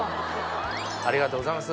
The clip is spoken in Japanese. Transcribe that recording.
ありがとうございます。